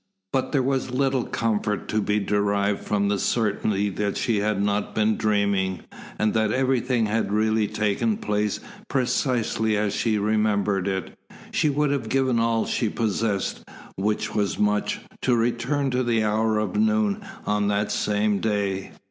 But there was little comfort to be derived from the certainty that she had not been dreaming, and that everything had really taken place precisely as she remembered it. She would have given all she possessed, which was much, to return to the hour of noon on that same day.